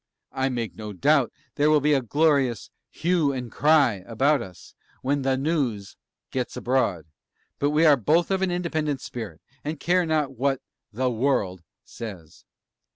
I make no doubt there will be a glorious 'HUE AND CRY' about us, when 'THE NEWS' gets abroad; but we are both of an independent spirit, and care not what 'THE WORLD' says.